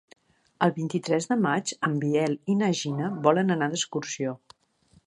El vint-i-tres de maig en Biel i na Gina volen anar d'excursió.